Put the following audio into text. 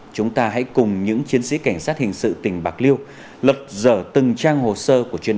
chúng ta hãy cùng những chiến sĩ cảnh sát hình sự tỉnh bạc liêu lật dở từng trang hồ sơ của chuyên án chín trăm một mươi bảy